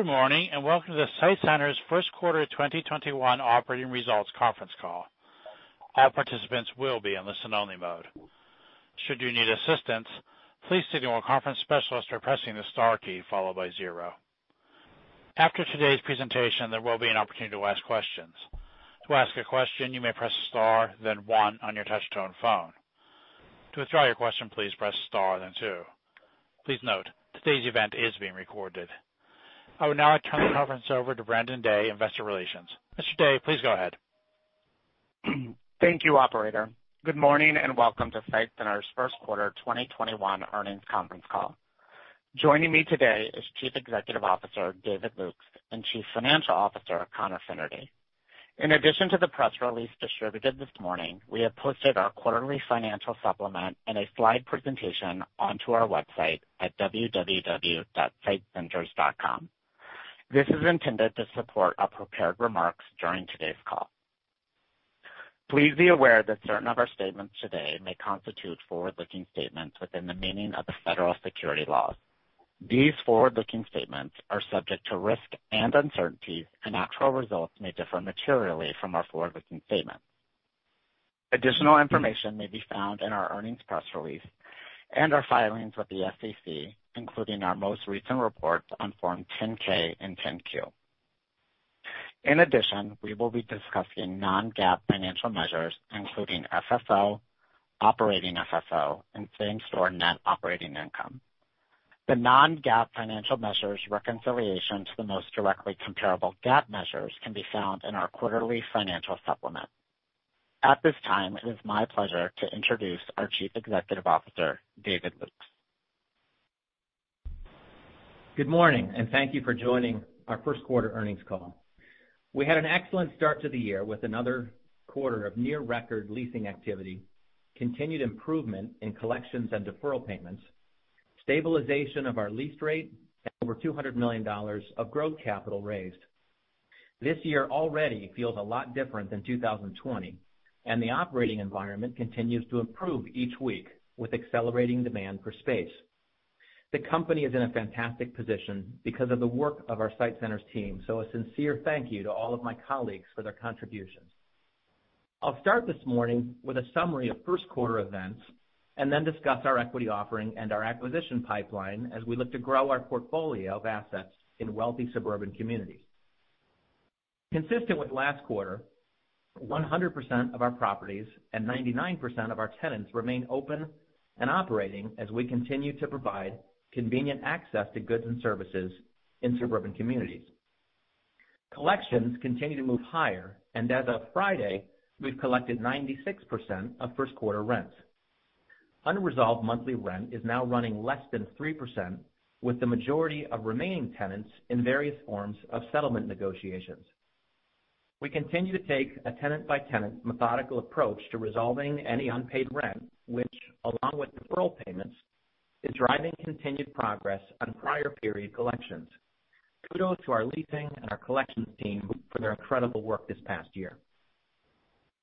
Good morning, and welcome to the SITE Centers first quarter 2021 operating results conference call. All participants will be in listen-only mode. Should you need assistance, please signal a conference specialist by pressing the star key followed by zero. After today's presentation, there will be an opportunity to ask questions. To ask a question, you may press star then one on your touch tone phone. To withdraw your question, please press star then two. Please note, today's event is being recorded. I would now like to turn the conference over to Brandon Day, Investor Relations. Mr. Day, please go ahead. Thank you, operator. Good morning and welcome to SITE Centers first quarter 2021 earnings conference call. Joining me today is Chief Executive Officer, David Lukes, and Chief Financial Officer, Conor Fennerty. In addition to the press release distributed this morning, we have posted our quarterly financial supplement and a slide presentation onto our website at www.sitecenters.com. This is intended to support our prepared remarks during today's call. Please be aware that certain of our statements today may constitute forward-looking statements within the meaning of the federal security laws. These forward-looking statements are subject to risk and uncertainties, and actual results may differ materially from our forward-looking statements. Additional information may be found in our earnings press release and our filings with the SEC, including our most recent reports on form 10-K and 10-Q. In addition, we will be discussing non-GAAP financial measures, including FFO, OFFO, and same-store net operating income. The non-GAAP financial measures reconciliation to the most directly comparable GAAP measures can be found in our quarterly financial supplement. At this time, it is my pleasure to introduce our Chief Executive Officer, David Lukes. Good morning, thank you for joining our first quarter earnings call. We had an excellent start to the year, with another quarter of near record leasing activity, continued improvement in collections and deferral payments, stabilization of our lease rate at over $200 million of growth capital raised. This year already feels a lot different than 2020, the operating environment continues to improve each week with accelerating demand for space. The company is in a fantastic position because of the work of our SITE Centers team, a sincere thank you to all of my colleagues for their contributions. I'll start this morning with a summary of first quarter events and then discuss our equity offering and our acquisition pipeline as we look to grow our portfolio of assets in wealthy suburban communities. Consistent with last quarter, 100% of our properties and 99% of our tenants remain open and operating as we continue to provide convenient access to goods and services in suburban communities. Collections continue to move higher, and as of Friday, we've collected 96% of first quarter rents. Unresolved monthly rent is now running less than 3% with the majority of remaining tenants in various forms of settlement negotiations. We continue to take a tenant-by-tenant methodical approach to resolving any unpaid rent, which, along with deferral payments, is driving continued progress on prior period collections. Kudos to our leasing and our collections team for their incredible work this past year.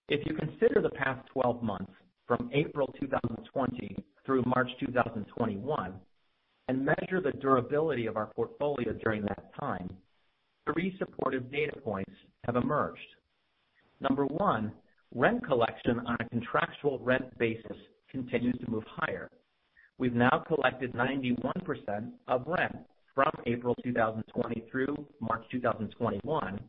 If you consider the past 12 months from April 2020 through March 2021, and measure the durability of our portfolio during that time, three supportive data points have emerged. Number one, rent collection on a contractual rent basis continues to move higher. We've now collected 91% of rent from April 2020 through March 2021,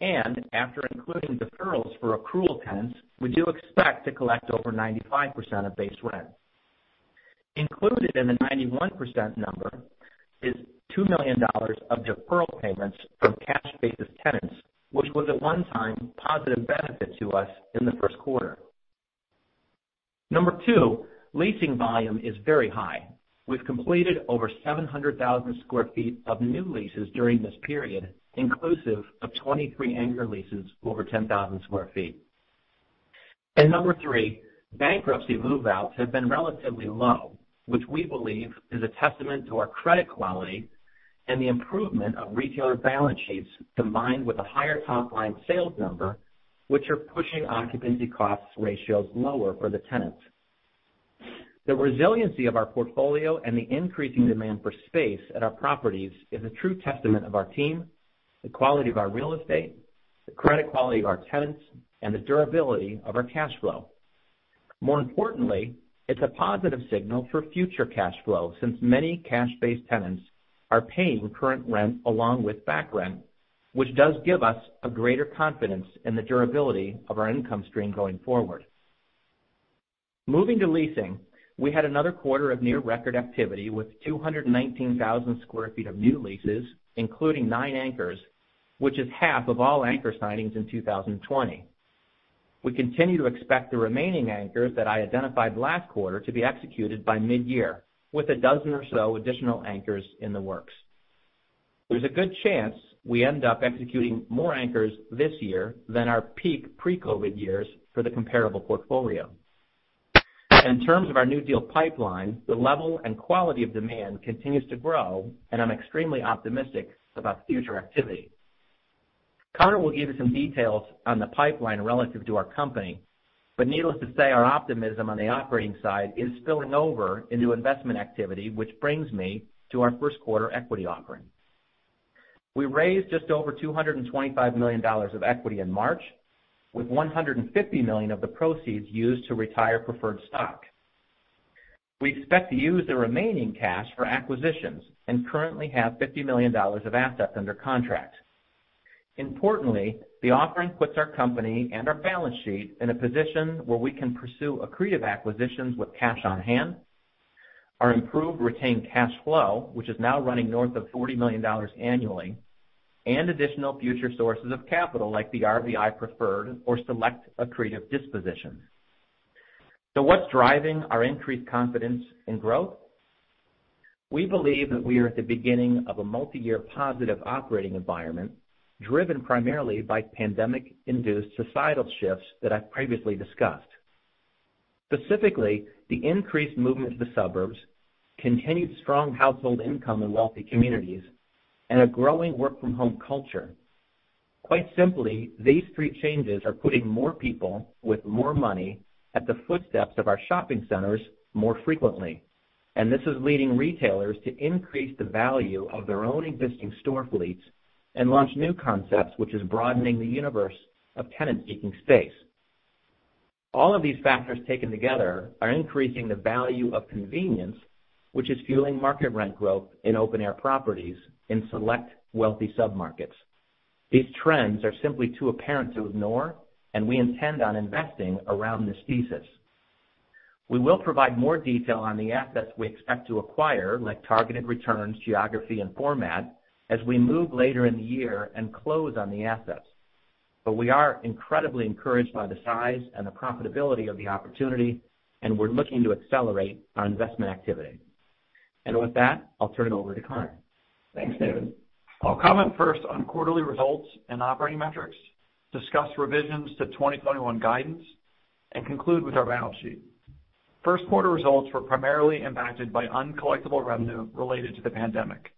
and after including deferrals for accrual tenants, we do expect to collect over 95% of base rent. Included in the 91% number is $2 million of deferral payments from cash-basis tenants, which was a one-time positive benefit to us in the first quarter. Number two, leasing volume is very high. We've completed over 700,000 sq ft of new leases during this period, inclusive of 23 anchor leases over 10,000 sq ft. Number three, bankruptcy move-outs have been relatively low, which we believe is a testament to our credit quality and the improvement of retailer balance sheets, combined with a higher top-line sales number, which are pushing occupancy costs ratios lower for the tenants. The resiliency of our portfolio and the increasing demand for space at our properties is a true testament of our team, the quality of our real estate, the credit quality of our tenants, and the durability of our cash flow. More importantly, it's a positive signal for future cash flow, since many cash-based tenants are paying current rent along with back rent, which does give us a greater confidence in the durability of our income stream going forward. Moving to leasing, we had another quarter of near record activity with 219,000 square feet of new leases, including nine anchors, which is half of all anchor signings in 2020. We continue to expect the remaining anchors that I identified last quarter to be executed by mid-year, with a dozen or so additional anchors in the works. There's a good chance we end up executing more anchors this year than our peak pre-COVID years for the comparable portfolio. In terms of our new deal pipeline, the level and quality of demand continues to grow, and I'm extremely optimistic about future activity. Conor will give you some details on the pipeline relative to our company. Needless to say, our optimism on the operating side is spilling over into investment activity, which brings me to our first quarter equity offering. We raised just over $225 million of equity in March, with $150 million of the proceeds used to retire preferred stock. We expect to use the remaining cash for acquisitions and currently have $50 million of assets under contract. Importantly, the offering puts our company and our balance sheet in a position where we can pursue accretive acquisitions with cash on hand, our improved retained cash flow, which is now running north of $40 million annually, and additional future sources of capital like the RVI preferred or select accretive dispositions. What's driving our increased confidence in growth? We believe that we are at the beginning of a multi-year positive operating environment driven primarily by pandemic-induced societal shifts that I've previously discussed. Specifically, the increased movement to the suburbs, continued strong household income in wealthy communities, and a growing work-from-home culture. Quite simply, these three changes are putting more people with more money at the footsteps of our shopping centers more frequently, and this is leading retailers to increase the value of their own existing store fleets and launch new concepts, which is broadening the universe of tenant-seeking space. All of these factors taken together are increasing the value of convenience, which is fueling market rent growth in open-air properties in select wealthy submarkets. These trends are simply too apparent to ignore, and we intend on investing around this thesis. We will provide more detail on the assets we expect to acquire, like targeted returns, geography, and format, as we move later in the year and close on the assets. We are incredibly encouraged by the size and the profitability of the opportunity, and we're looking to accelerate our investment activity. With that, I'll turn it over to Conor. Thanks, David. I'll comment first on quarterly results and operating metrics, discuss revisions to 2021 guidance, and conclude with our balance sheet. First quarter results were primarily impacted by uncollectible revenue related to the pandemic.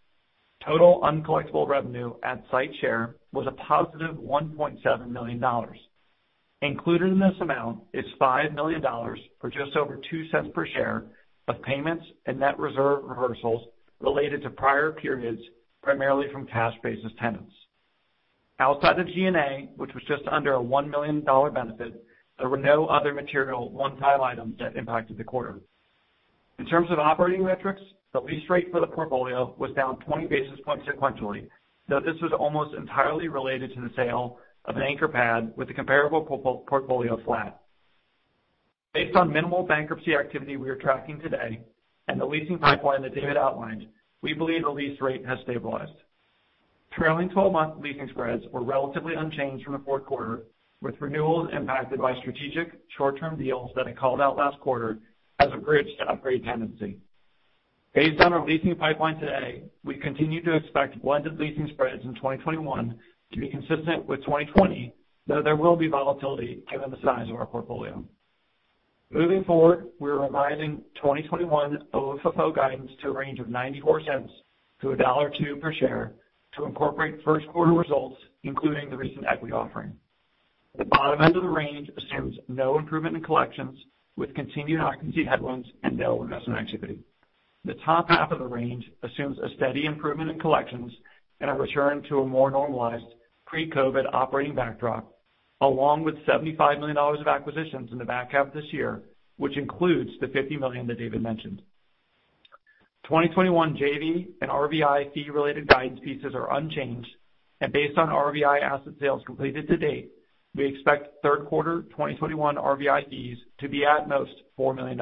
Total uncollectible revenue at SITE Share was a positive $1.7 million. Included in this amount is $5 million or just over $0.02 per share of payments and net reserve reversals related to prior periods, primarily from cash-basis tenants. Outside of G&A, which was just under a $1 million benefit, there were no other material one-time items that impacted the quarter. In terms of operating metrics, the lease rate for the portfolio was down 20 basis points sequentially, though this was almost entirely related to the sale of an anchor pad with a comparable portfolio flat. Based on minimal bankruptcy activity we are tracking today and the leasing pipeline that David outlined, we believe the lease rate has stabilized. Trailing 12-month leasing spreads were relatively unchanged from the fourth quarter, with renewals impacted by strategic short-term deals that I called out last quarter as a bridge to upgrade tenancy. Based on our leasing pipeline today, we continue to expect blended leasing spreads in 2021 to be consistent with 2020, though there will be volatility given the size of our portfolio. Moving forward, we're revising 2021 OFFO guidance to a range of $0.94-$1.02 per share to incorporate first quarter results, including the recent equity offering. The bottom end of the range assumes no improvement in collections, with continued occupancy headwinds and no investment activity. The top half of the range assumes a steady improvement in collections and a return to a more normalized pre-COVID operating backdrop, along with $75 million of acquisitions in the back half of this year, which includes the $50 million that David mentioned. 2021 JV and RVI fee-related guidance pieces are unchanged, and based on RVI asset sales completed to date, we expect third quarter 2021 RVI fees to be at most $4 million.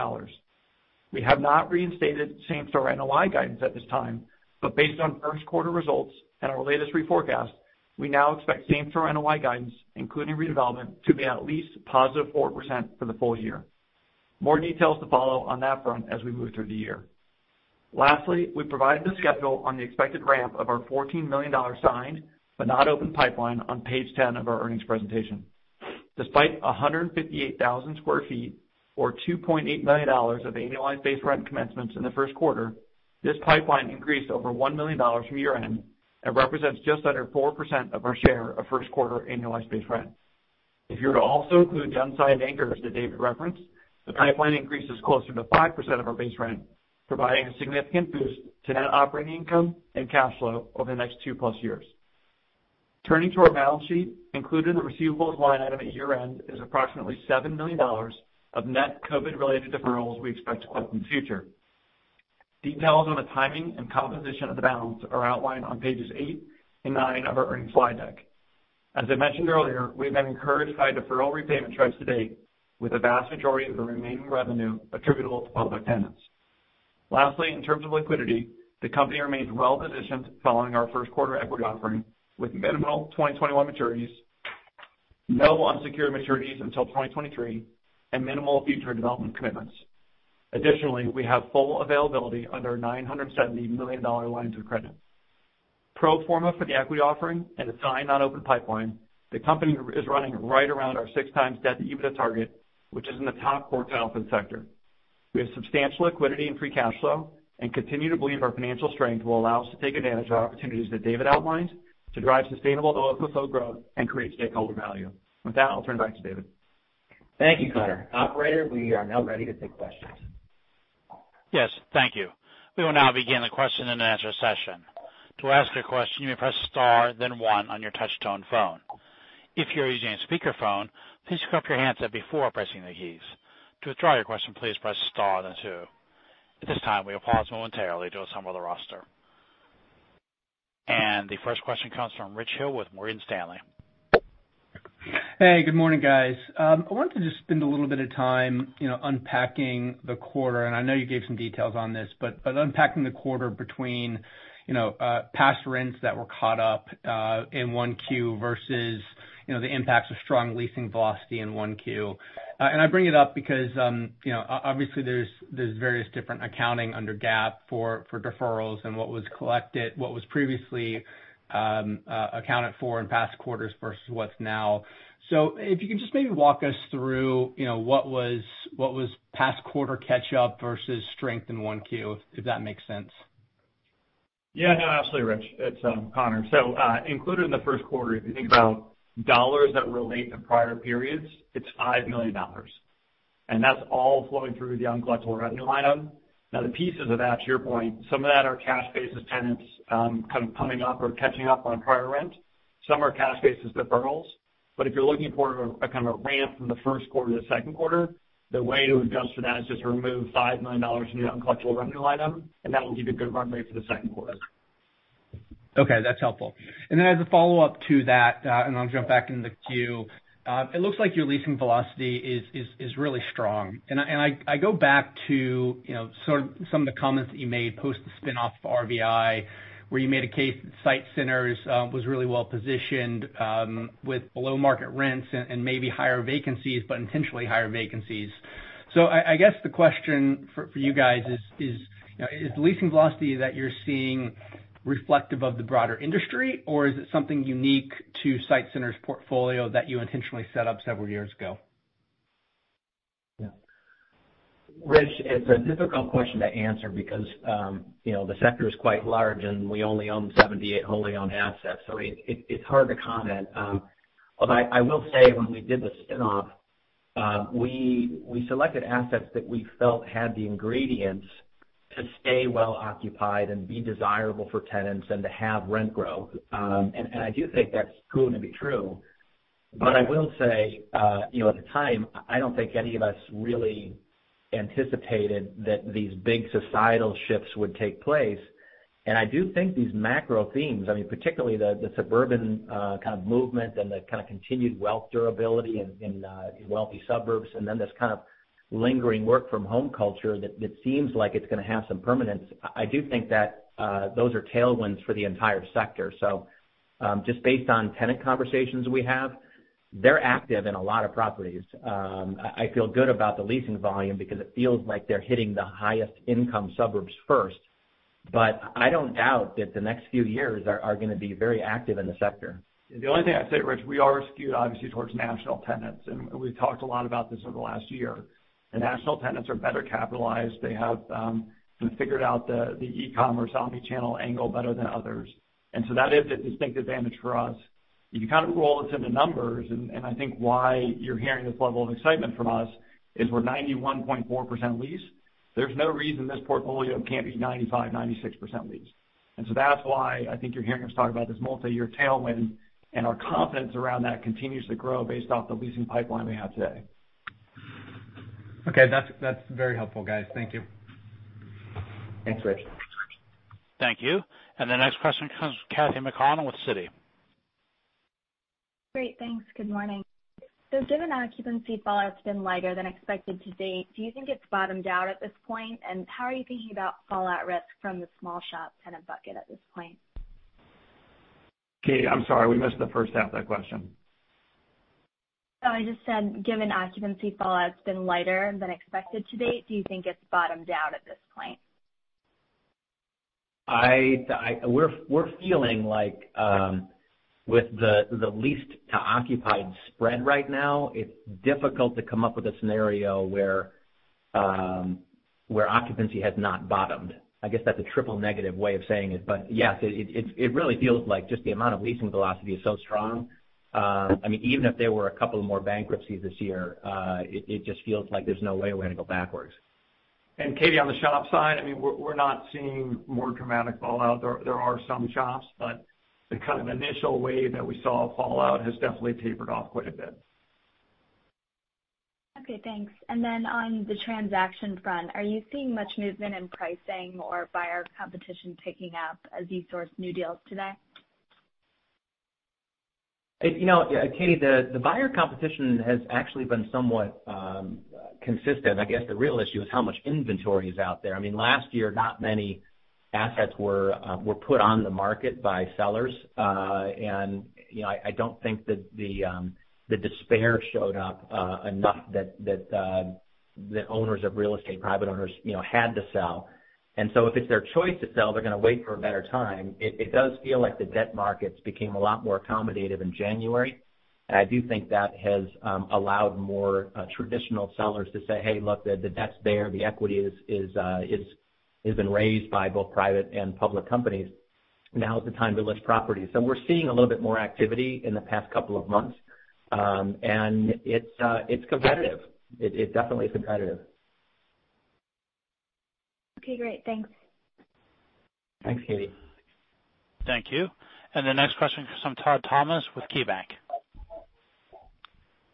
We have not reinstated same-store NOI guidance at this time, but based on first quarter results and our latest reforecast, we now expect same-store NOI guidance, including redevelopment, to be at least positive 4% for the full year. More details to follow on that front as we move through the year. We provided the schedule on the expected ramp of our $14 million signed but not open pipeline on page 10 of our earnings presentation. Despite 158,000 sq ft or $2.8 million of Annualized Base Rent commencements in the first quarter, this pipeline increased over $1 million from year-end and represents just under 4% of our share of first quarter Annualized Base Rent. If you were to also include the unsigned anchors that David referenced, the pipeline increase is closer to 5% of our base rent, providing a significant boost to net operating income and cash flow over the next two-plus years. Turning to our balance sheet, included in the receivables line item at year-end is approximately $7 million of net COVID-related deferrals we expect to collect in the future. Details on the timing and composition of the balance are outlined on pages eight and nine of our earnings slide deck. As I mentioned earlier, we've been encouraged by deferral repayment trends to date, with a vast majority of the remaining revenue attributable to public tenants. Lastly, in terms of liquidity, the company remains well positioned following our first quarter equity offering, with minimal 2021 maturities, no unsecured maturities until 2023, and minimal future development commitments. Additionally, we have full availability under $970 million lines of credit. Pro forma for the equity offering and assigned non-open pipeline, the company is running right around our 6x debt to EBITDA target, which is in the top quartile for the sector. We have substantial liquidity and free cash flow and continue to believe our financial strength will allow us to take advantage of opportunities that David outlined to drive sustainable OFFO growth and create stakeholder value. With that, I'll turn it back to David. Thank you, Conor. Operator, we are now ready to take questions. Yes. Thank you. We will now begin the question and answer session. To ask a question, you may press star then one on your touch-tone phone. If you're using a speakerphone, please pick up your handset before pressing the keys. To withdraw your question, please press star then two. At this time, we'll pause momentarily to assemble the roster. The first question comes from Richard Hill with Morgan Stanley. Hey, good morning, guys. I wanted to just spend a little bit of time unpacking the quarter, I know you gave some details on this, but unpacking the quarter between past rents that were caught up in 1Q versus the impacts of strong leasing velocity in 1Q. I bring it up because, obviously there's various different accounting under GAAP for deferrals and what was collected, what was previously accounted for in past quarters versus what's now. If you can just maybe walk us through what was past quarter catch-up versus strength in 1Q, if that makes sense. No, absolutely Rich. It's Conor. Included in the first quarter, if you think about dollars that relate to prior periods, it's $5 million. That's all flowing through the uncollectible revenue item. The pieces of that, to your point, some of that are cash-basis tenants, kind of coming up or catching up on prior rent. Some are cash-basis deferrals. If you're looking for a kind of a ramp from the first quarter to the second quarter, the way to adjust for that is just remove $5 million from the uncollectible revenue item, and that will give you good runway for the second quarter. Okay, that's helpful. As a follow-up to that, and I'll jump back into the queue. It looks like your leasing velocity is really strong. I go back to some of the comments that you made post the spinoff of RVI, where you made a case that SITE Centers was really well-positioned with below-market rents and maybe higher vacancies, but intentionally higher vacancies. I guess the question for you guys is the leasing velocity that you're seeing reflective of the broader industry, or is it something unique to SITE Centers' portfolio that you intentionally set up several years ago? Rich, it's a difficult question to answer because the sector is quite large, and we only own 78 wholly owned assets, so it's hard to comment. I will say, when we did the spinoff, we selected assets that we felt had the ingredients to stay well occupied and be desirable for tenants and to have rent growth. I do think that's proven to be true. I will say, at the time, I don't think any of us really anticipated that these big societal shifts would take place. I do think these macro themes, particularly the suburban kind of movement and the kind of continued wealth durability in wealthy suburbs, and then this kind of lingering work from home culture that seems like it's going to have some permanence. I do think that those are tailwinds for the entire sector. Just based on tenant conversations we have, they're active in a lot of properties. I feel good about the leasing volume because it feels like they're hitting the highest income suburbs first. I don't doubt that the next few years are going to be very active in the sector. The only thing I'd say, Rich, we are skewed obviously towards national tenants, and we've talked a lot about this over the last year. The national tenants are better capitalized. They have figured out the e-commerce omni-channel angle better than others. That is a distinct advantage for us. If you kind of roll this into numbers, and I think why you're hearing this level of excitement from us is we're 91.4% leased. There's no reason this portfolio can't be 95%, 96% leased. That's why I think you're hearing us talk about this multi-year tailwind, and our confidence around that continues to grow based off the leasing pipeline we have today. Okay. That's very helpful, guys. Thank you. Thanks, Rich. Thank you. The next question comes from Katy McConnell with Citi. Great. Thanks. Good morning. Given occupancy fallout's been lighter than expected to date, do you think it's bottomed out at this point? How are you thinking about fallout risk from the small shop tenant bucket at this point? Katy, I'm sorry, we missed the first half of that question. I just said given occupancy fallout's been lighter than expected to date, do you think it's bottomed out at this point? We're feeling like with the leased to occupied spread right now, it's difficult to come up with a scenario where occupancy has not bottomed. I guess that's a triple negative way of saying it. Yes, it really feels like just the amount of leasing velocity is so strong. Even if there were a couple of more bankruptcies this year, it just feels like there's no way we're going to go backwards. Katy, on the shop side, we're not seeing more dramatic fallout. There are some shops, the kind of initial wave that we saw fallout has definitely tapered off quite a bit. Okay, thanks. On the transaction front, are you seeing much movement in pricing or buyer competition picking up as you source new deals today? Katy, the buyer competition has actually been somewhat consistent. I guess the real issue is how much inventory is out there. Last year, not many assets were put on the market by sellers. I don't think that the despair showed up enough that the owners of real estate, private owners had to sell. If it's their choice to sell, they're going to wait for a better time. It does feel like the debt markets became a lot more accommodative in January. I do think that has allowed more traditional sellers to say, "Hey, look, the debt's there. The equity has been raised by both private and public companies. Now is the time to list properties." We're seeing a little bit more activity in the past couple of months. It's competitive. It definitely is competitive. Okay, great. Thanks. Thanks, Katy. Thank you. The next question comes from Todd Thomas with KeyBanc.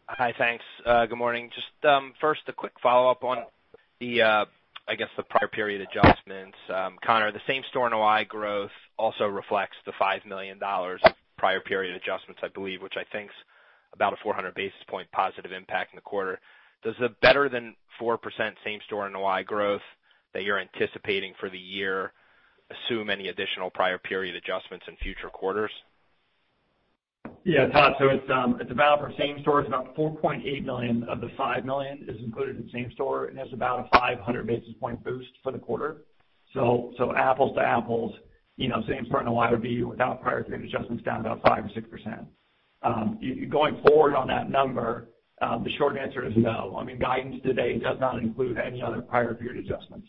Hi, thanks. Good morning. First, a quick follow-up on the, I guess, the prior period adjustments. Conor, the same-store NOI growth also reflects the $5 million prior period adjustments, I believe, which I think is about a 400 basis point positive impact in the quarter. Does the better than 4% same-store NOI growth that you're anticipating for the year assume any additional prior period adjustments in future quarters? Todd, it's about for same-store, it's about $4.8 million of the $5 million is included in same-store, and has about a 500 basis points boost for the quarter. Apples to apples, same-store NOI would be, without prior period adjustments, down about 5% or 6%. Going forward on that number, the short answer is no. I mean, guidance to date does not include any other prior period adjustments.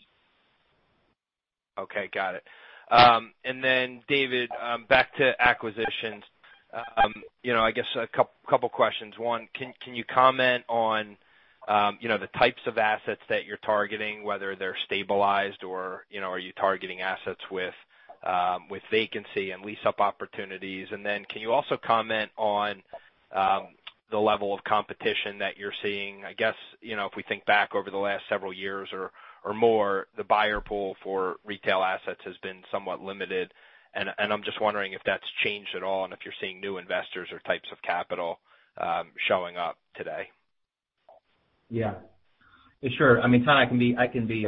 Okay, got it. David, back to acquisitions. I guess a couple of questions. One, can you comment on the types of assets that you're targeting, whether they're stabilized or are you targeting assets with vacancy and lease-up opportunities? Can you also comment on the level of competition that you're seeing? I guess, if we think back over the last several years or more, the buyer pool for retail assets has been somewhat limited, and I'm just wondering if that's changed at all and if you're seeing new investors or types of capital showing up today. Yeah. Sure. I mean, Todd, I can be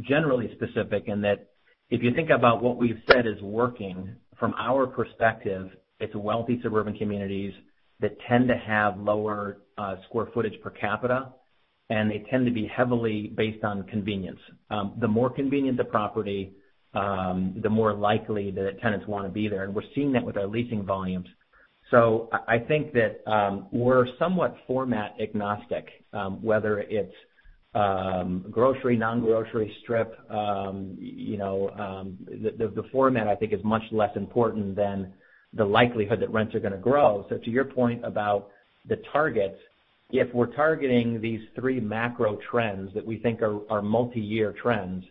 generally specific in that if you think about what we've said is working, from our perspective, it's wealthy suburban communities that tend to have lower square footage per capita, and they tend to be heavily based on convenience. The more convenient the property, the more likely that tenants want to be there. We're seeing that with our leasing volumes. I think that we're somewhat format agnostic, whether it's grocery, non-grocery strip. The format, I think, is much less important than the likelihood that rents are going to grow. To your point about the targets, if we're targeting these three macro trends that we think are multi-year trends,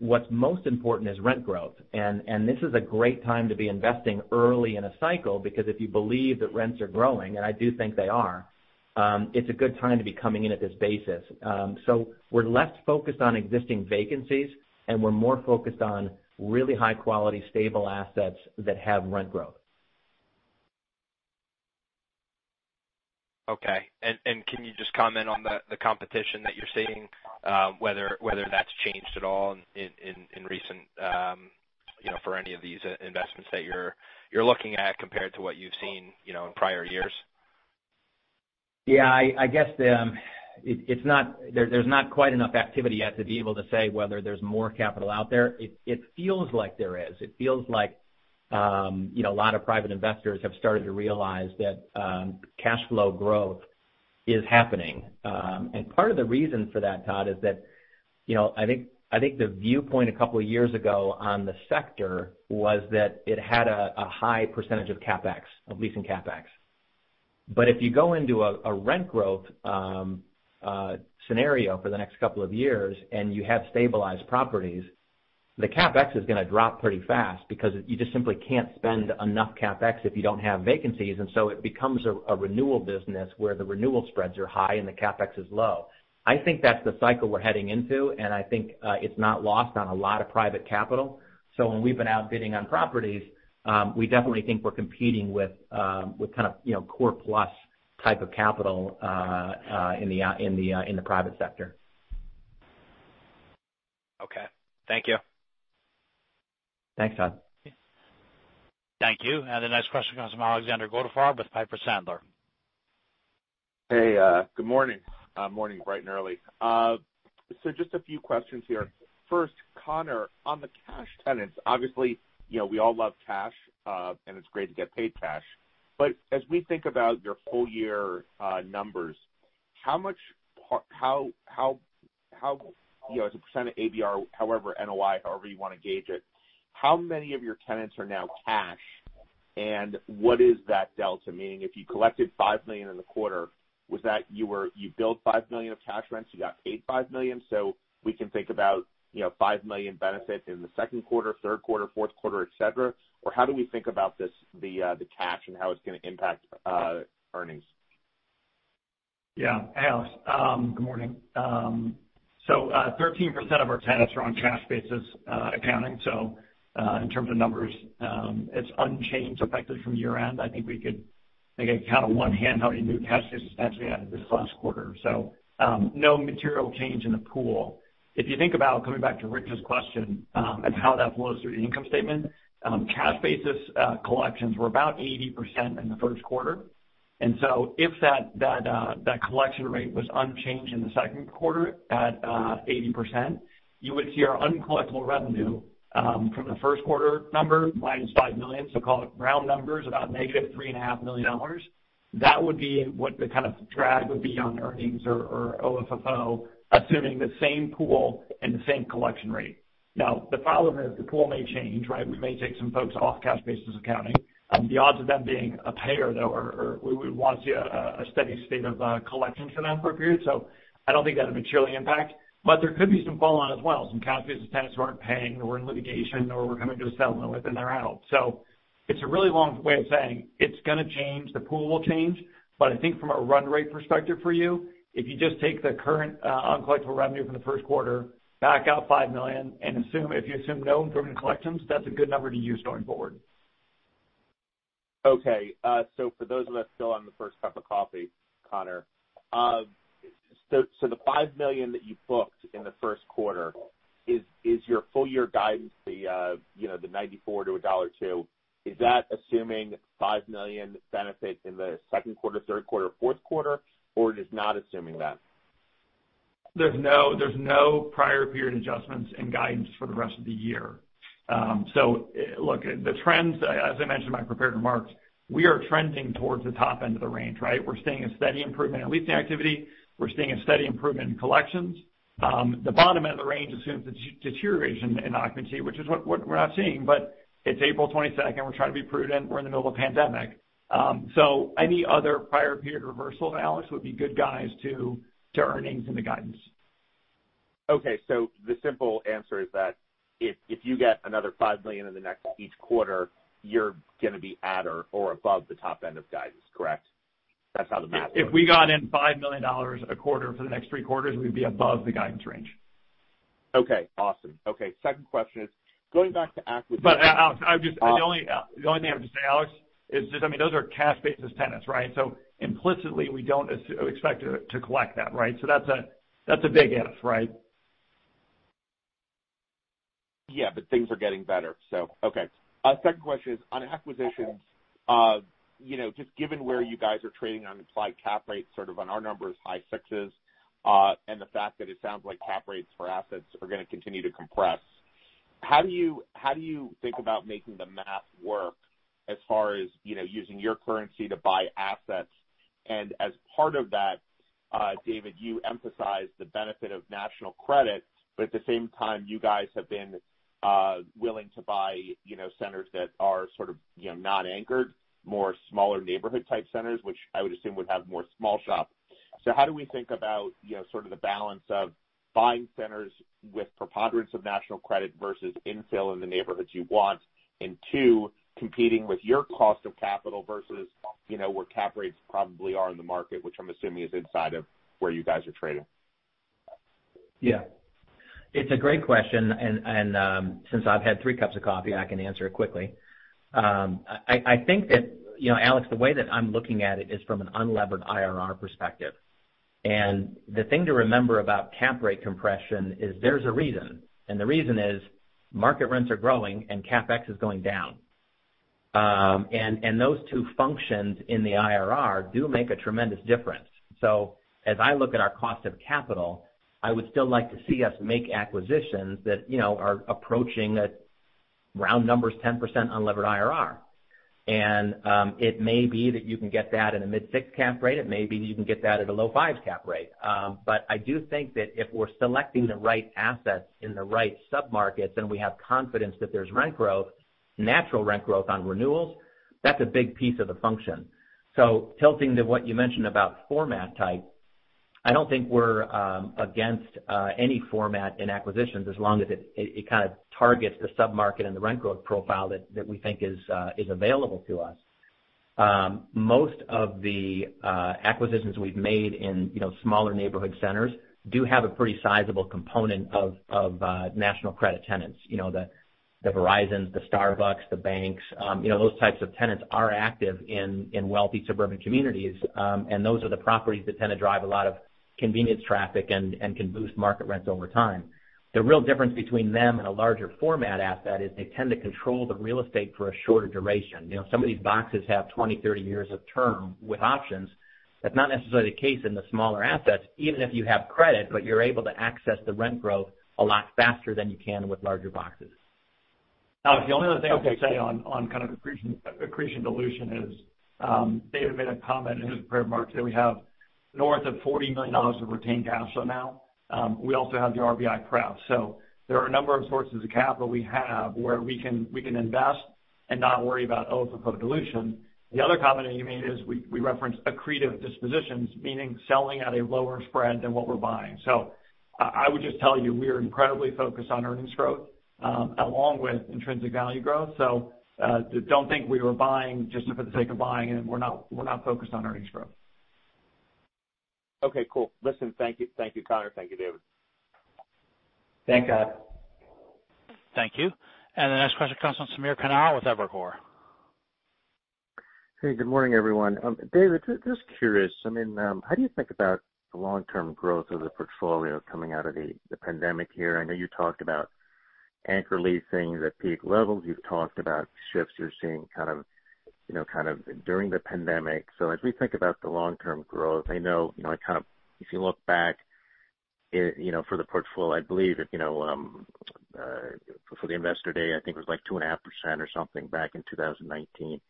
what's most important is rent growth. This is a great time to be investing early in a cycle, because if you believe that rents are growing, and I do think they are, it's a good time to be coming in at this basis. We're less focused on existing vacancies, and we're more focused on really high-quality, stable assets that have rent growth. Okay. Can you just comment on the competition that you're seeing, whether that's changed at all for any of these investments that you're looking at compared to what you've seen in prior years? Yeah, I guess there's not quite enough activity yet to be able to say whether there's more capital out there. It feels like there is. It feels like a lot of private investors have started to realize that cash flow growth is happening. Part of the reason for that, Todd, is that I think the viewpoint a couple of years ago on the sector was that it had a high percentage of CapEx, of leasing CapEx. If you go into a rent growth scenario for the next couple of years, and you have stabilized properties, the CapEx is going to drop pretty fast because you just simply can't spend enough CapEx if you don't have vacancies. It becomes a renewal business where the renewal spreads are high and the CapEx is low. I think that's the cycle we're heading into, and I think it's not lost on a lot of private capital. When we've been out bidding on properties, we definitely think we're competing with kind of core plus type of capital in the private sector. Okay. Thank you. Thanks, Todd. Thank you. The next question comes from Alexander Goldfarb with Piper Sandler. Hey, good morning. Morning bright and early. Just a few questions here. First, Conor, on the cash tenants, obviously, we all love cash, and it's great to get paid cash. As we think about your full-year numbers, as a percent of ABR, however, NOI, however you want to gauge it, how many of your tenants are now cash, and what is that delta? Meaning, if you collected $5 million in the quarter, was that you billed $5 million of cash rents, you got paid $5 million? We can think about $5 million benefit in the second quarter, third quarter, fourth quarter, et cetera? How do we think about the cash and how it's going to impact earnings? Yeah. Hey, Alex. Good morning. 13% of our tenants are on cash basis accounting. In terms of numbers, it's unchanged effectively from year-end. I think I can count on one hand how many new cash basis tenants we added this last quarter. No material change in the pool. If you think about, coming back to Richard's question, and how that flows through the income statement, cash basis collections were about 80% in the first quarter. If that collection rate was unchanged in the second quarter at 80%, you would see our uncollectible revenue from the first quarter number -$5 million, so call it round numbers, about -$3.5 million. That would be what the kind of drag would be on earnings or OFFO, assuming the same pool and the same collection rate. The follow is the pool may change, right? We may take some folks off cash basis accounting. The odds of them being a payer, though, or we would want to see a steady state of collection for them for a period. I don't think that will materially impact. There could be some fallout as well, some cash basis tenants who aren't paying or are in litigation or we're coming to a settlement with, and they're out. It's a really long way of saying it's going to change. The pool will change. I think from a run rate perspective for you, if you just take the current uncollectible revenue from the first quarter, back out $5 million, and if you assume no improvement in collections, that's a good number to use going forward. Okay. For those of us still on the first cup of coffee, Conor, so the $5 million that you booked in the first quarter, is your full year guidance the $0.94-$1.02? Is that assuming $5 million benefit in the second quarter, third quarter, fourth quarter, or it is not assuming that? There's no prior period adjustments in guidance for the rest of the year. Look, the trends, as I mentioned in my prepared remarks, we are trending towards the top end of the range, right? We're seeing a steady improvement in leasing activity. We're seeing a steady improvement in collections. The bottom end of the range assumes a deterioration in occupancy, which is what we're not seeing. It's April 22nd. We're trying to be prudent. We're in the middle of a pandemic. Any other prior period reversal analysis would be good guides to earnings in the guidance. Okay. The simple answer is that if you get another $5 million in the next each quarter, you're going to be at or above the top end of guidance, correct? That's how the math works. If we got in $5 million a quarter for the next three quarters, we'd be above the guidance range. Okay, awesome. Okay, second question is, going back to acquisi- Alex, the only thing I have to say, Alex, is just, those are cash basis tenants, right? Implicitly, we don't expect to collect that, right? That's a big if. Yeah. Things are getting better. Okay. Second question is on acquisitions. Just given where you guys are trading on implied cap rates, sort of on our numbers, high sixes, and the fact that it sounds like cap rates for assets are going to continue to compress, how do you think about making the math work as far as using your currency to buy assets? As part of that, David Lukes, you emphasized the benefit of national credit, but at the same time, you guys have been willing to buy centers that are sort of not anchored, more smaller neighborhood type centers, which I would assume would have more small shops. How do we think about sort of the balance of buying centers with preponderance of national credit versus infill in the neighborhoods you want? Two, competing with your cost of capital versus where cap rates probably are in the market, which I'm assuming is inside of where you guys are trading. Yeah. It's a great question. Since I've had three cups of coffee, I can answer it quickly. I think that, Alex, the way that I'm looking at it is from an unlevered IRR perspective. The thing to remember about cap rate compression is there's a reason, and the reason is market rents are growing and CapEx is going down. Those two functions in the IRR do make a tremendous difference. As I look at our cost of capital, I would still like to see us make acquisitions that are approaching, at round numbers, 10% unlevered IRR. It may be that you can get that at a mid-six cap rate. It may be that you can get that at a low fives cap rate. I do think that if we're selecting the right assets in the right sub-markets and we have confidence that there's rent growth, natural rent growth on renewals, that's a big piece of the function. Tilting to what you mentioned about format type, I don't think we're against any format in acquisitions as long as it kind of targets the sub-market and the rent growth profile that we think is available to us. Most of the acquisitions we've made in smaller neighborhood centers do have a pretty sizable component of national credit tenants. The Verizons, the Starbucks, the banks, those types of tenants are active in wealthy suburban communities, and those are the properties that tend to drive a lot of convenience traffic and can boost market rents over time. The real difference between them and a larger format asset is they tend to control the real estate for a shorter duration. Some of these boxes have 20, 30 years of term with options. That's not necessarily the case in the smaller assets, even if you have credit, but you're able to access the rent growth a lot faster than you can with larger boxes. Alex, the only other thing I would say on kind of accretion dilution is, David made a comment in his prepared remarks that we have north of $40 million of retained cash flow now. We also have the RVI crowd. There are a number of sources of capital we have where we can invest and not worry about OFFO dilution. The other comment that he made is we referenced accretive dispositions, meaning selling at a lower spread than what we're buying. I would just tell you, we are incredibly focused on earnings growth along with intrinsic value growth. Don't think we were buying just for the sake of buying and we're not focused on earnings growth. Okay, cool. Listen, thank you. Thank you, Conor. Thank you, David. Thank you. Thank you. The next question comes from Samir Kanal with Evercore. Hey, good morning, everyone. David, just curious, how do you think about the long-term growth of the portfolio coming out of the pandemic here? I know you talked about Anchor leasing is at peak levels. You've talked about shifts you're seeing kind of during the pandemic. As we think about the long-term growth, I know if you look back for the portfolio, I believe for the investor day, I think it was like 2.5% or something back in 2019.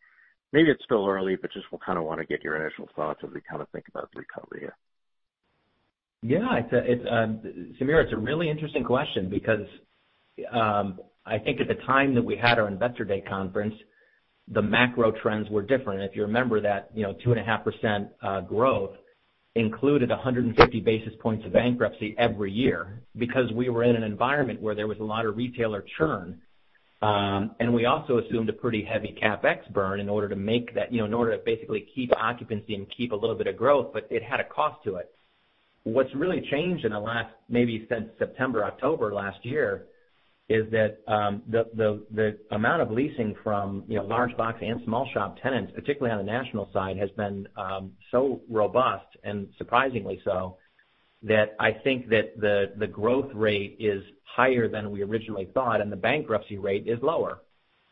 Maybe it's still early, but just kind of want to get your initial thoughts as we kind of think about the recovery here. Yeah. Samir, it's a really interesting question because I think at the time that we had our investor day conference, the macro trends were different. If you remember that 2.5% growth included 150 basis points of bankruptcy every year because we were in an environment where there was a lot of retailer churn. We also assumed a pretty heavy CapEx burn in order to basically keep occupancy and keep a little bit of growth, but it had a cost to it. What's really changed in the last, maybe since September, October last year, is that the amount of leasing from large box and small shop tenants, particularly on the national side, has been so robust, and surprisingly so, that I think that the growth rate is higher than we originally thought, and the bankruptcy rate is lower.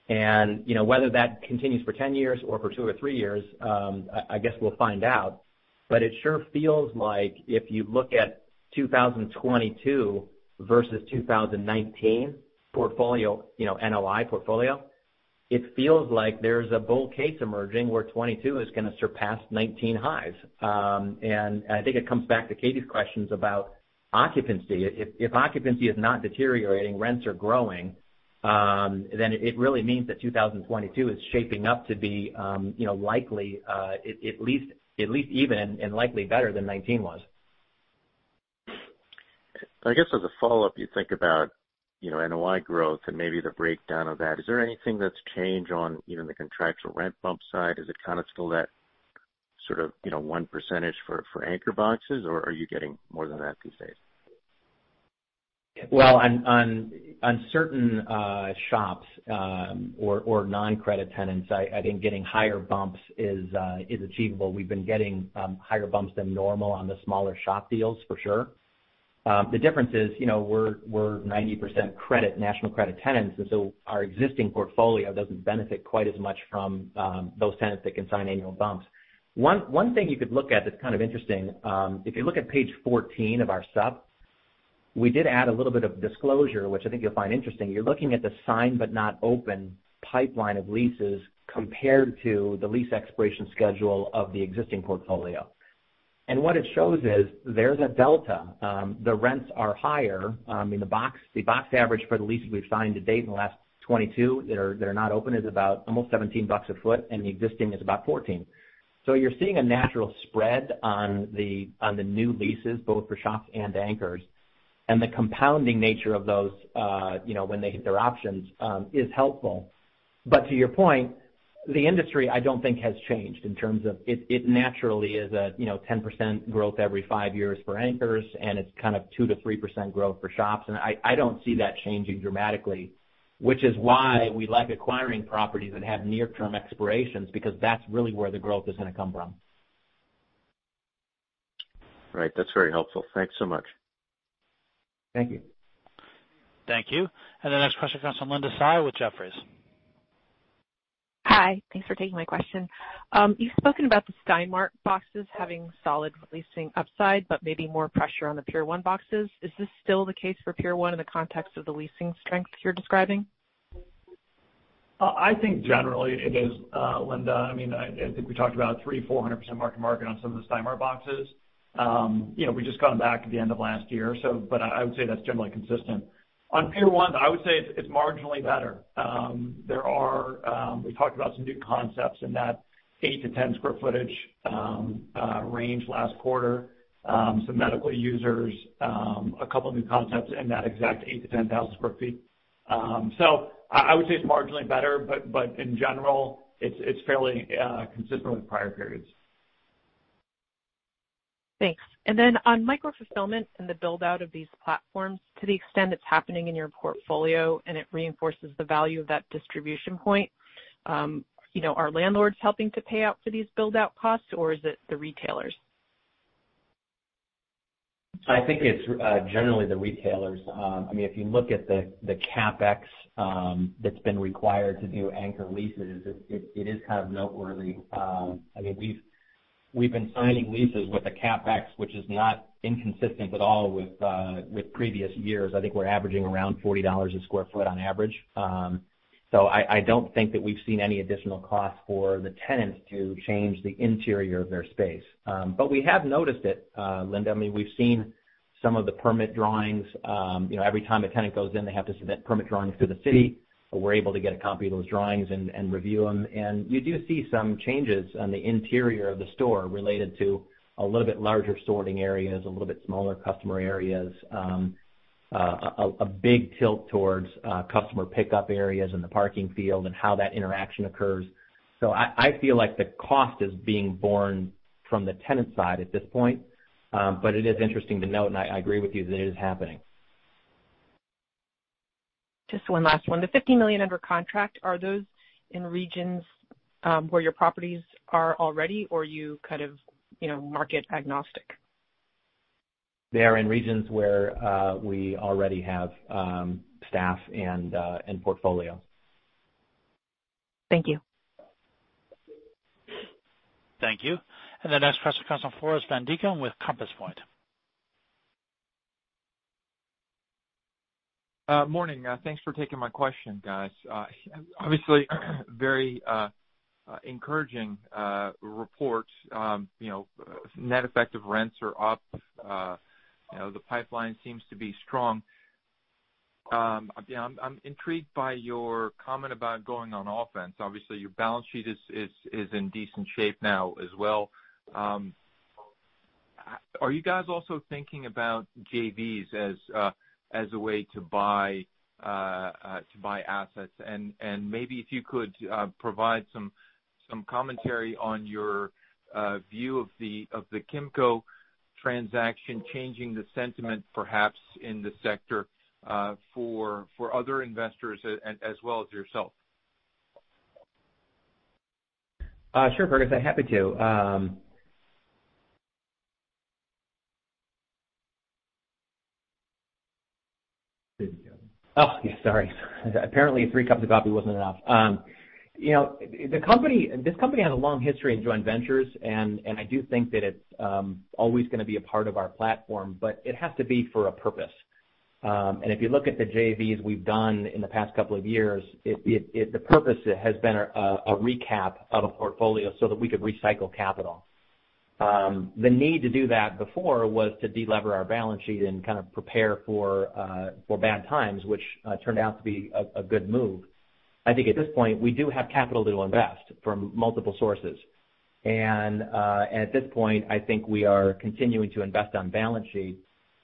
Whether that continues for 10 years or for two or three years, I guess we'll find out. It sure feels like if you look at 2022 versus 2019 NOI portfolio, it feels like there's a bull case emerging where 2022 is going to surpass 2019 highs. I think it comes back to Katy's questions about occupancy. If occupancy is not deteriorating, rents are growing, then it really means that 2022 is shaping up to be at least even and likely better than 2019 was. I guess as a follow-up, you think about NOI growth and maybe the breakdown of that. Is there anything that's changed on even the contractual rent bump side? Is it kind of still that sort of 1% for anchor boxes, or are you getting more than that these days? Well, on certain shops or non-credit tenants, I think getting higher bumps is achievable. We've been getting higher bumps than normal on the smaller shop deals for sure. The difference is we're 90% national credit tenants. Our existing portfolio doesn't benefit quite as much from those tenants that can sign annual bumps. One thing you could look at that's kind of interesting, if you look at page 14 of our supp, we did add a little bit of disclosure, which I think you'll find interesting. You're looking at the signed but not open pipeline of leases compared to the lease expiration schedule of the existing portfolio. What it shows is there's a delta. The rents are higher. I mean, the box average for the leases we've signed to date in the last 2022 that are not open is about almost $17 a foot, the existing is about $14. You're seeing a natural spread on the new leases, both for shops and anchors. The compounding nature of those when they hit their options is helpful. To your point, the industry, I don't think has changed in terms of it naturally is a 10% growth every five years for anchors, and it's kind of 2%-3% growth for shops. I don't see that changing dramatically, which is why we like acquiring properties that have near-term expirations, because that's really where the growth is going to come from. Right. That's very helpful. Thanks so much. Thank you. Thank you. The next question comes from Linda Tsai with Jefferies. Hi. Thanks for taking my question. You've spoken about the Stein Mart boxes having solid leasing upside, but maybe more pressure on the Pier 1 boxes. Is this still the case for Pier 1 in the context of the leasing strength you're describing? I think generally it is, Linda. I think we talked about 300%, 400% market on some of the Stein Mart boxes. We just got them back at the end of last year, but I would say that's generally consistent. On Pier 1s, I would say it's marginally better. We talked about some new concepts in that 8-10 square footage range last quarter. Some medical users, a couple of new concepts in that exact 8,000-10,000 sq ft. I would say it's marginally better, but in general, it's fairly consistent with prior periods. Thanks. On micro fulfillment and the build-out of these platforms to the extent it's happening in your portfolio and it reinforces the value of that distribution point, are landlords helping to pay out for these build-out costs or is it the retailers? I think it's generally the retailers. If you look at the CapEx that's been required to do anchor leases, it is kind of noteworthy. We've been signing leases with a CapEx which is not inconsistent at all with previous years. I think we're averaging around $40 a sq ft on average. I don't think that we've seen any additional cost for the tenants to change the interior of their space. We have noticed it, Linda. We've seen some of the permit drawings. Every time a tenant goes in, they have to submit permit drawings to the city. We're able to get a copy of those drawings and review them. You do see some changes on the interior of the store related to a little bit larger sorting areas, a little bit smaller customer areas, a big tilt towards customer pickup areas in the parking field, and how that interaction occurs. I feel like the cost is being borne from the tenant side at this point. It is interesting to note, and I agree with you that it is happening. Just one last one. The $50 million under contract, are those in regions where your properties are already, or you kind of market agnostic? They are in regions where we already have staff and portfolio. Thank you. Thank you. The next question comes from Floris van Dijkum with Compass Point. Morning. Thanks for taking my question, guys. Obviously, very encouraging reports. Net effective rents are up. The pipeline seems to be strong. I'm intrigued by your comment about going on offense. Obviously, your balance sheet is in decent shape now as well. Are you guys also thinking about JVs as a way to buy assets? Maybe if you could provide some commentary on your view of the Kimco transaction changing the sentiment, perhaps, in the sector, for other investors as well as yourself. Sure, Floris. I'm happy to. Oh, sorry. Apparently, three cups of coffee wasn't enough. This company has a long history in joint ventures, and I do think that it's always going to be a part of our platform, but it has to be for a purpose. If you look at the JVs we've done in the past couple of years, the purpose has been a recap of a portfolio so that we could recycle capital. The need to do that before was to de-lever our balance sheet and kind of prepare for bad times, which turned out to be a good move. I think at this point, we do have capital to invest from multiple sources. At this point, I think we are continuing to invest on balance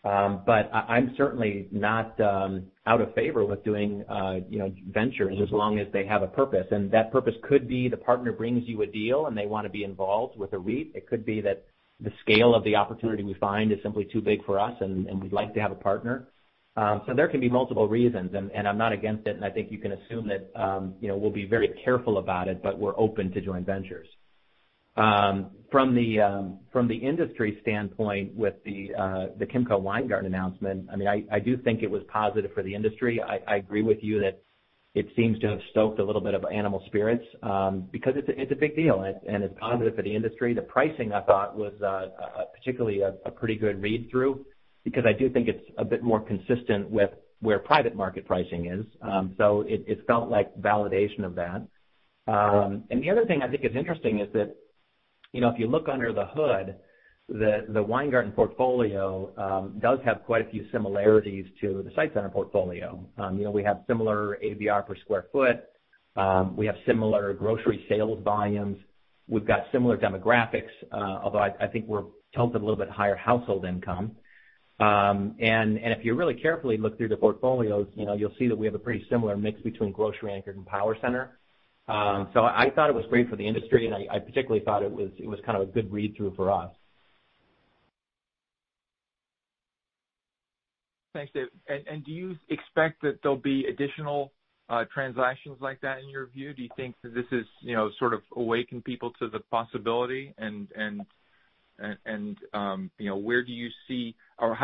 sheet. I'm certainly not out of favor with doing ventures as long as they have a purpose. That purpose could be the partner brings you a deal, and they want to be involved with a REIT. It could be that the scale of the opportunity we find is simply too big for us, and we'd like to have a partner. There can be multiple reasons, and I'm not against it, and I think you can assume that we'll be very careful about it, but we're open to joint ventures. From the industry standpoint, with the Kimco Weingarten announcement, I do think it was positive for the industry. I agree with you that it seems to have stoked a little bit of animal spirits, because it's a big deal, and it's positive for the industry. The pricing, I thought, was particularly a pretty good read-through, because I do think it's a bit more consistent with where private market pricing is. It felt like validation of that. The other thing I think is interesting is that if you look under the hood, the Weingarten portfolio does have quite a few similarities to the SITE Centers portfolio. We have similar ABR per square foot. We have similar grocery sales volumes. We've got similar demographics, although I think we're tilted a little bit higher household income. If you really carefully look through the portfolios, you'll see that we have a pretty similar mix between grocery anchored and power center. I thought it was great for the industry, and I particularly thought it was kind of a good read-through for us. Thanks, David. Do you expect that there'll be additional transactions like that in your view? Do you think that this has sort of awakened people to the possibility?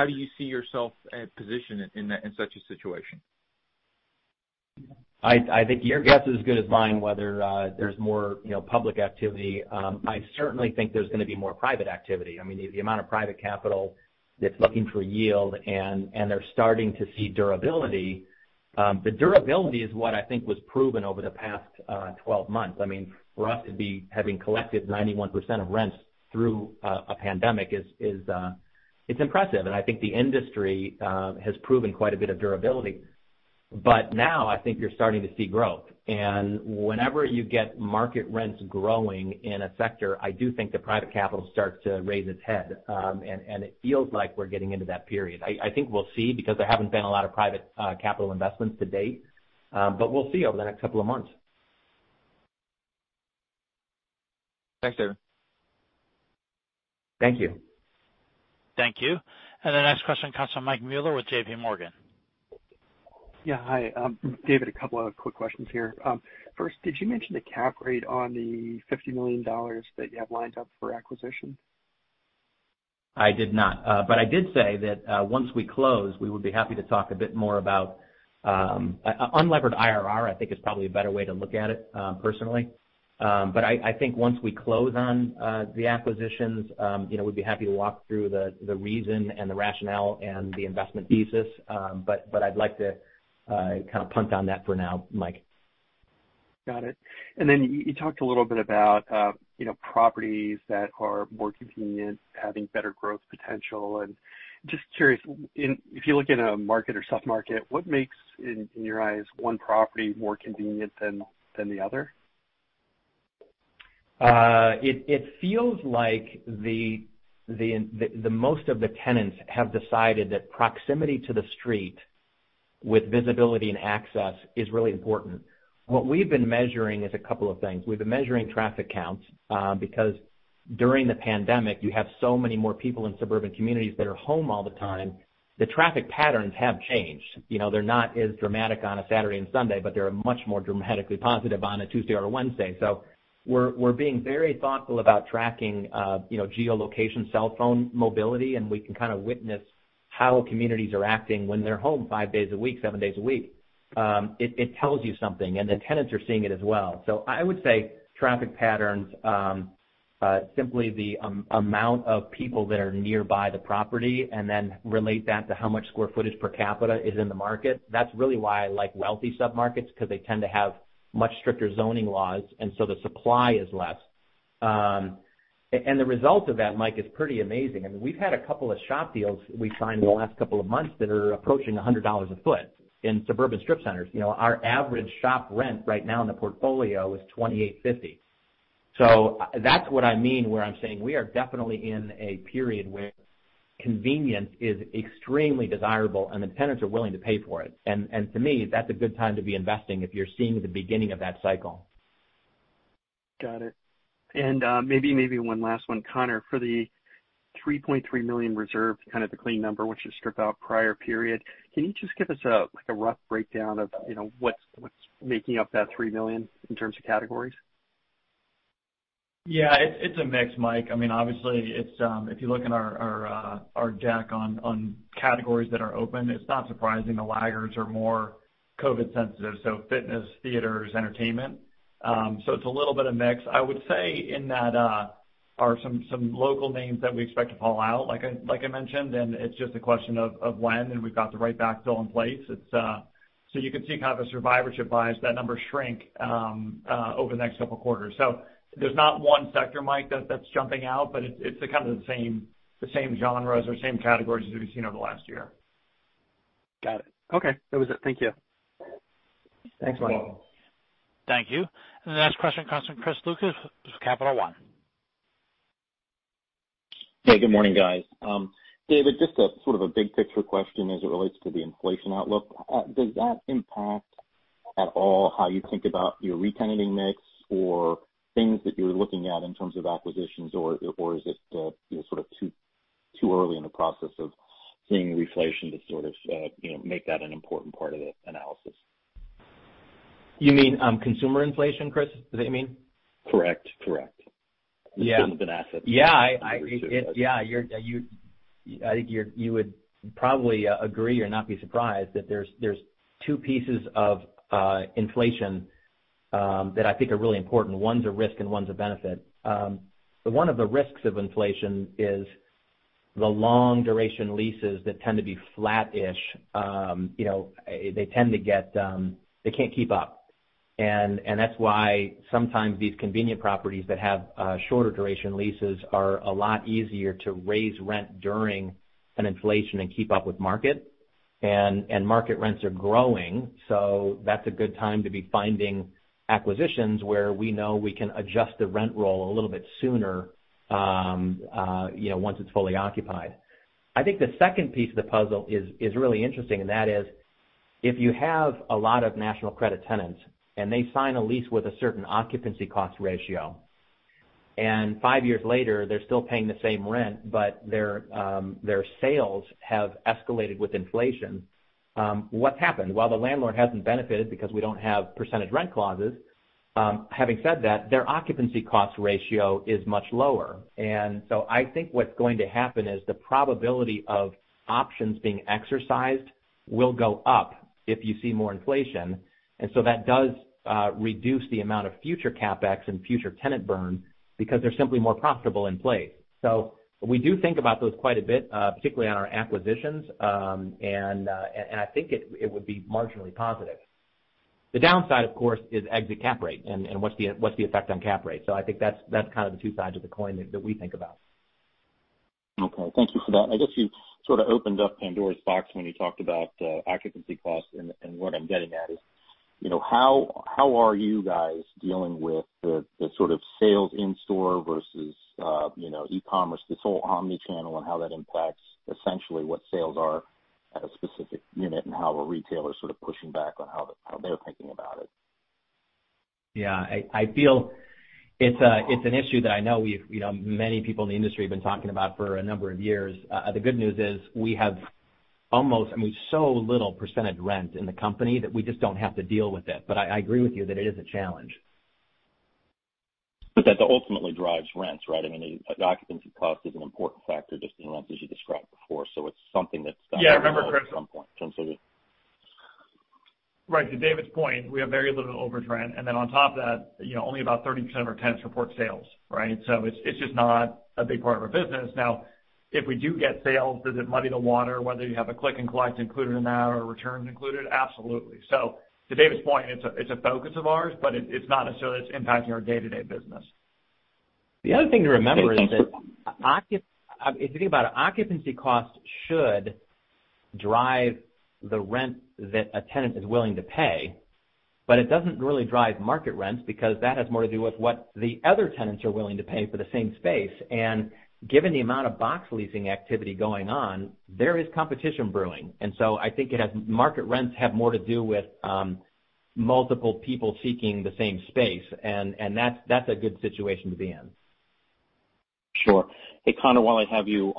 How do you see yourself positioned in such a situation? I think your guess is as good as mine, whether there's more public activity. I certainly think there's going to be more private activity. The amount of private capital that's looking for yield, and they're starting to see durability. The durability is what I think was proven over the past 12 months. For us to be having collected 91% of rents through a pandemic is impressive, and I think the industry has proven quite a bit of durability. But now I think you're starting to see growth. And whenever you get market rents growing in a sector, I do think the private capital starts to raise its head. And it feels like we're getting into that period. I think we'll see, because there haven't been a lot of private capital investments to date. But we'll see over the next couple of months. Thanks, David. Thank you. Thank you. The next question comes from Mike Mueller with JPMorgan. Yeah. Hi, David. A couple of quick questions here. First, did you mention the cap rate on the $50 million that you have lined up for acquisition? I did not. I did say that once we close, we would be happy to talk a bit more about unlevered IRR. I think is probably a better way to look at it, personally. I think once we close on the acquisitions, we'd be happy to walk through the reason and the rationale and the investment thesis. I'd like to kind of punt on that for now, Mike. Got it. You talked a little bit about properties that are more convenient, having better growth potential. Just curious, if you look at a market or sub-market, what makes, in your eyes, one property more convenient than the other? It feels like the most of the tenants have decided that proximity to the street with visibility and access is really important. What we've been measuring is a couple of things. We've been measuring traffic counts because during the pandemic, you have so many more people in suburban communities that are home all the time. The traffic patterns have changed. They're not as dramatic on a Saturday and Sunday, but they are much more dramatically positive on a Tuesday or a Wednesday. We're being very thoughtful about tracking geolocation, cell phone mobility, and we can kind of witness how communities are acting when they're home five days a week, seven days a week. It tells you something, and the tenants are seeing it as well. I would say traffic patterns, simply the amount of people that are nearby the property, and then relate that to how much square footage per capita is in the market. That's really why I like wealthy submarkets, because they tend to have much stricter zoning laws, and so the supply is less. The result of that, Mike, is pretty amazing. I mean, we've had a couple of shop deals we signed in the last couple of months that are approaching $100 a foot in suburban strip centers. Our average shop rent right now in the portfolio is $28.50. That's what I mean, where I'm saying we are definitely in a period where convenience is extremely desirable, and the tenants are willing to pay for it. To me, that's a good time to be investing if you're seeing the beginning of that cycle. Got it. Maybe one last one. Conor, for the $3.3 million reserved, kind of the clean number, which you strip out prior period, can you just give us a rough breakdown of what's making up that $3 million in terms of categories? Yeah. It's a mix, Mike. I mean, obviously, if you look in our deck on categories that are open, it's not surprising the laggards are more COVID sensitive, so fitness, theaters, entertainment. It's a little bit of mix. I would say in that are some local names that we expect to fall out, like I mentioned, and it's just a question of when, and we've got the right backfill in place. You could see kind of a survivorship bias, that number shrink over the next couple of quarters. There's not one sector, Mike, that's jumping out, but it's kind of the same genres or same categories that we've seen over the last year. Got it. Okay. That was it. Thank you. Thanks, Mike. You're welcome. Thank you. The next question comes from Chris Lucas with Capital One. Hey, good morning, guys. David, just sort of a big picture question as it relates to the inflation outlook. Does that impact at all how you think about your re-tenanting mix or things that you're looking at in terms of acquisitions, or is it sort of too early in the process of seeing reflation to sort of make that an important part of the analysis? You mean consumer inflation, Chris? Is that what you mean? Correct. Yeah. In terms of an asset. Yeah. I think you would probably agree or not be surprised that there's two pieces of inflation that I think are really important. One's a risk and one's a benefit. One of the risks of inflation is the long-duration leases that tend to be flat-ish. They can't keep up. That's why sometimes these convenient properties that have shorter duration leases are a lot easier to raise rent during an inflation and keep up with market. Market rents are growing, so that's a good time to be finding acquisitions where we know we can adjust the rent roll a little bit sooner, once it's fully occupied. I think the second piece of the puzzle is really interesting, and that is if you have a lot of national credit tenants and they sign a lease with a certain occupancy cost ratio, and five years later, they're still paying the same rent, but their sales have escalated with inflation. What's happened? Well, the landlord hasn't benefited because we don't have percentage rent clauses. Having said that, their occupancy cost ratio is much lower. I think what's going to happen is the probability of options being exercised will go up if you see more inflation. That does reduce the amount of future CapEx and future tenant burn because they're simply more profitable in place. We do think about those quite a bit, particularly on our acquisitions. I think it would be marginally positive. The downside, of course, is exit cap rate and what's the effect on cap rate. I think that's kind of the two sides of the coin that we think about. Okay. Thank you for that. I guess you sort of opened up Pandora's box when you talked about occupancy costs, and what I'm getting at is how are you guys dealing with the sort of sales in store versus e-commerce, this whole omni-channel, and how that impacts essentially what sales are at a specific unit and how a retailer's sort of pushing back on how they're thinking about it? Yeah. I feel it's an issue that I know many people in the industry have been talking about for a number of years. The good news is we have so little percentage rent in the company that we just don't have to deal with it. I agree with you that it is a challenge. That ultimately drives rents, right? I mean, occupancy cost is an important factor just in rents as you described before. Yeah. Remember, Chris. At some point in terms of. Right. To David's point, we have very little overage rent, and then on top of that, only about 30% of our tenants report sales, right? It's just not a big part of our business. If we do get sales, does it muddy the water whether you have a click and collect included in that or returns included? Absolutely. To David's point, it's a focus of ours, but it's not necessarily that it's impacting our day-to-day business. The other thing to remember is that. Okay. If you think about it, occupancy cost should drive the rent that a tenant is willing to pay, but it doesn't really drive market rents because that has more to do with what the other tenants are willing to pay for the same space. Given the amount of box leasing activity going on, there is competition brewing. So I think market rents have more to do with multiple people seeking the same space, and that's a good situation to be in. Sure. Hey, Conor, while I have you,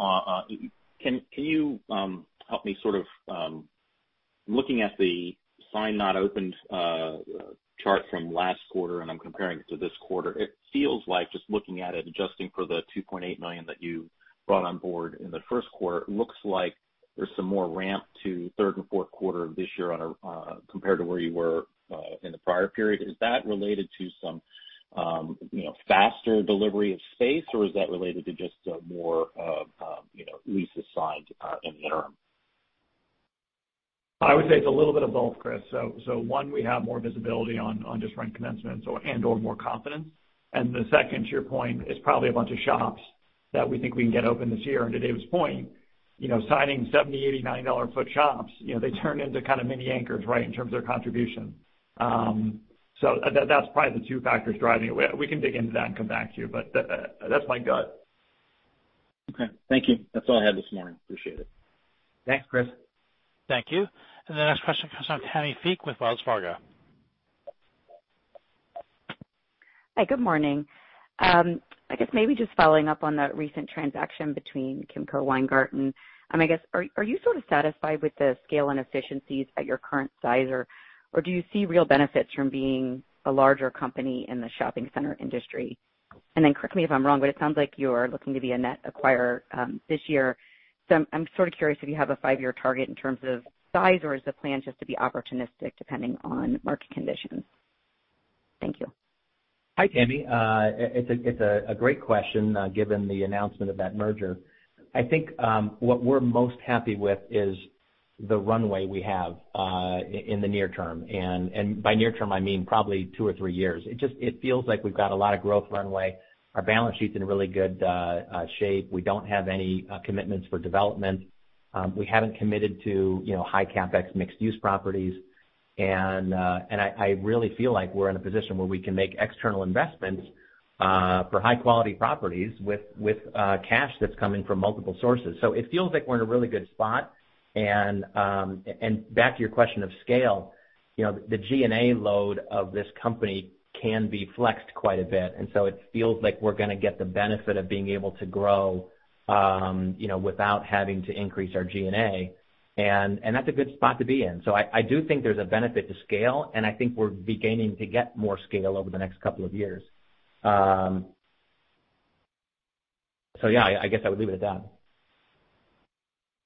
can you help me sort of, I'm looking at the signed not opened chart from last quarter, and I'm comparing it to this quarter. It feels like just looking at it, adjusting for the $2.8 million that you brought on board in the first quarter, looks like there's some more ramp to third and fourth quarter of this year compared to where you were in the prior period. Is that related to some faster delivery of space, or is that related to just more leases signed in the interim? I would say it's a little bit of both, Chris. One, we have more visibility on just rent commencements and/or more confidence. The second, to your point, is probably a bunch of shops that we think we can get open this year. To David's point, signing $70, $89 a foot shops, they turn into kind of mini anchors, right, in terms of their contribution. That's probably the two factors driving it. We can dig into that and come back to you, but that's my gut. Okay. Thank you. That's all I had this morning. Appreciate it. Thanks, Chris. Thank you. The next question comes from Tammy Fique with Wells Fargo. Hi, good morning. I guess maybe just following up on the recent transaction between Kimco Weingarten. I guess, are you sort of satisfied with the scale and efficiencies at your current size, or do you see real benefits from being a larger company in the shopping center industry? Correct me if I'm wrong, but it sounds like you're looking to be a net acquirer this year. I'm sort of curious if you have a five-year target in terms of size, or is the plan just to be opportunistic depending on market conditions? Thank you. Hi, Tammy. It's a great question given the announcement of that merger. I think, what we're most happy with is the runway we have in the near term. By near term, I mean probably two or three years. It feels like we've got a lot of growth runway. Our balance sheet's in really good shape. We don't have any commitments for development. We haven't committed to high CapEx mixed-use properties. I really feel like we're in a position where we can make external investments for high-quality properties with cash that's coming from multiple sources. It feels like we're in a really good spot. Back to your question of scale, the G&A load of this company can be flexed quite a bit. It feels like we're going to get the benefit of being able to grow without having to increase our G&A, and that's a good spot to be in. I do think there's a benefit to scale, and I think we're beginning to get more scale over the next couple of years. Yeah, I guess I would leave it at that.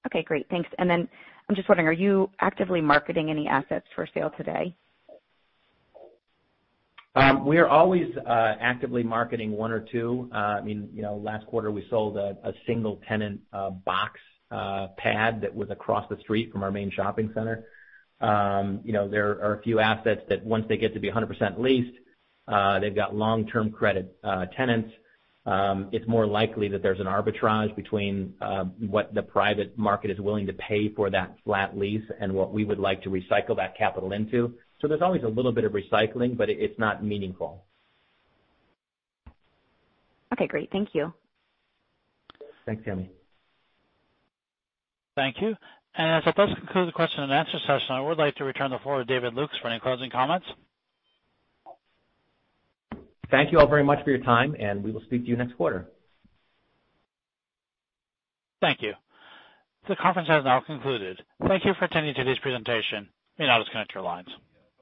Okay, great. Thanks. I'm just wondering, are you actively marketing any assets for sale today? We are always actively marketing one or two. Last quarter, we sold a single-tenant box pad that was across the street from our main shopping center. There are a few assets that once they get to be 100% leased, they've got long-term credit tenants. It's more likely that there's an arbitrage between what the private market is willing to pay for that flat lease and what we would like to recycle that capital into. There's always a little bit of recycling, but it's not meaningful. Okay, great. Thank you. Thanks, Tammy. Thank you. That does conclude the question and answer session. I would like to return the floor to David Lukes for any closing comments. Thank you all very much for your time, and we will speak to you next quarter. Thank you. The conference has now concluded. Thank you for attending today's presentation. You may now disconnect your lines.